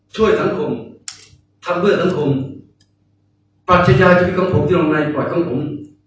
ช่วยสังคมทำเพื่อสังคมปรัชญาจะมีของผมที่ลงในปล่อยของผม